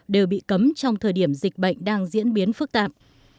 đều bị cấm trong thời điểm dịch bệnh đang diễn biến phức tạp